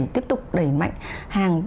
tiếp tục đẩy mạnh hàng